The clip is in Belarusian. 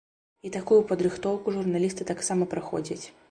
І такую падрыхтоўку журналісты таксама праходзяць.